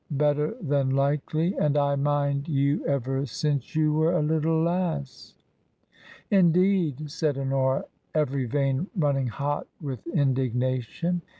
Better than likely. And I mind you ever since you were a little lass." " Indeed ?" said Honora, every vein running hot with indignation.